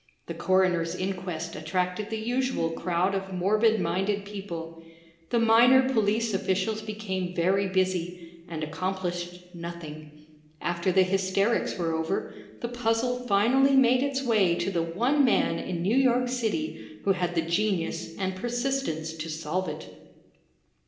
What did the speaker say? The coroner's inquest attracted the usual crowd of morbid minded people. The minor police officials became very busy — and accomplished nothing. After the hysterics were over, the puzzle finally made its way to the one man in New York City who had the genius and persistence to solve it.